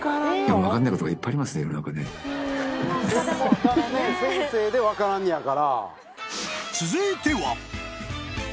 専門家のね先生で分からんのやから。